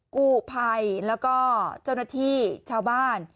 กู้ภัยแล้วก็เจ้าหน้าที่ชาวบ้าน